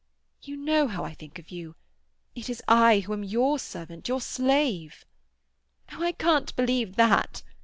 "You know how I think of you. It is I who am your servant, your slave." "Oh, I can't believe that!"